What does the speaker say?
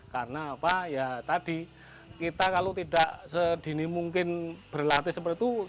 karena pak ya tadi kita kalau tidak sedini mungkin berlatih seperti itu